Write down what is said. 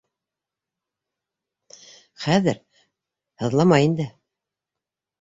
- Хәҙер һыҙламай инде.